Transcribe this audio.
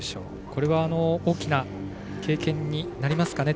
これは大きな経験になりますかね。